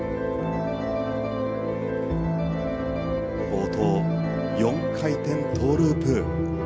冒頭、４回転トウループ。